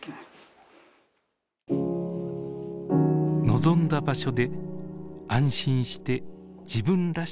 望んだ場所で安心して自分らしく暮らす。